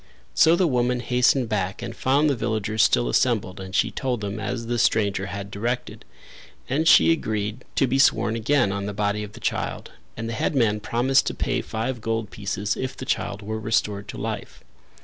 So the woman hastened back and found the villagers still assembled and she told them as the stranger had directed; and she agreed to be sworn again on the body of the child, and the headman promised to pay five gold pieces if the child were restored to life.